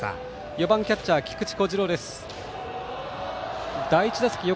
４番のキャッチャー菊池虎志朗です。